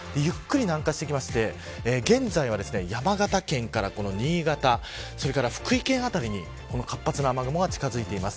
ゆっくり南下してきて現在は、山形県から新潟福井県辺りに活発な雨雲が近づいています。